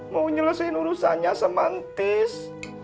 mau nyelesain urusannya semang tis